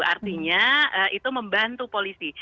artinya itu membantu polisi